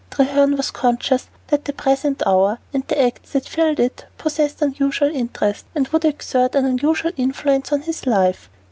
Treherne was conscious that the present hour, and the acts that filled it, possessed unusual interest, and would exert an unusual influence on his life.